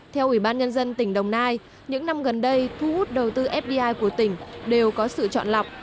theo ủy ban nhân dân tỉnh đồng nai những năm gần đây thu hút đầu tư fdi của tỉnh đều có sự chọn lọc